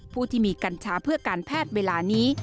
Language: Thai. ผู้ที่มีกัญชาเพื่อการแพทย์เวลานี้